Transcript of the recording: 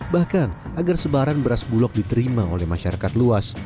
bahkan agar sebaran beras bulog diterima oleh masyarakat luas